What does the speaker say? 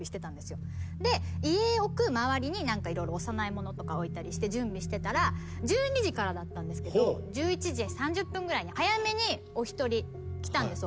で遺影を置く周りにお供え物とか置いたりして準備してたら１２時からだったんですけど１１時３０分ぐらいに早めにお一人来たんです。